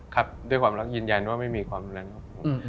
ครับด้วยความรักยืนยันว่าไม่มีความรุนแรงครับผม